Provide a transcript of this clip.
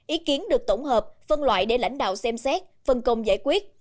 ý kiến được tổng hợp phân loại để lãnh đạo xem xét phân công giải quyết